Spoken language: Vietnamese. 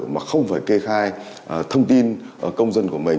mà không phải kê khai thông tin công dân của mình